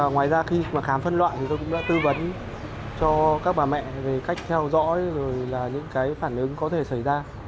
ngoài ra khi khám phân loại tôi cũng đã tư vấn cho các bà mẹ về cách theo dõi và những phản ứng có thể xảy ra